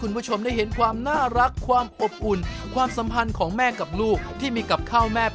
อยู่จิตกันคือไม่ต้องแก่หรอกตอนนี้ก็เหมือนแล้ว